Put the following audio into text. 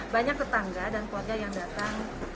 banyak tetangga dan keluarga yang datang